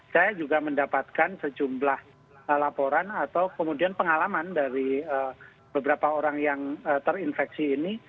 saya juga mendapatkan sejumlah laporan atau kemudian pengalaman dari beberapa orang yang terinfeksi ini